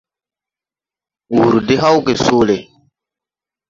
Wùr de hàw gè soole.